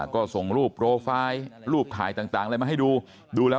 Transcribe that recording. ก็ส่งรูปโปรไฟล์รูปถ่ายต่างอะไรมาให้ดูดูแล้ว